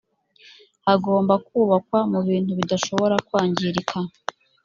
hagomba kubakwa mu bintu bidashobora kwangirika.